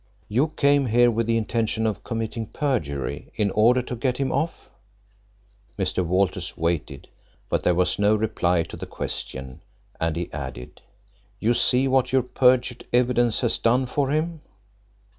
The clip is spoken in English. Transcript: "You came here with the intention of committing perjury in order to get him off?" Mr. Walters waited, but there was no reply to the question, and he added, "You see what your perjured evidence has done for him?"